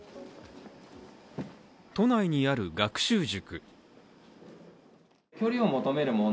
都内にある学習塾。